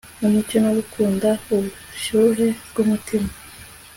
umucyo no gukunda ubushyuhe bwumutima